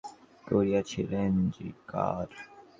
পণ্ডিতগণও ঐ কথা পরে স্বীকার করিয়াছিলেন।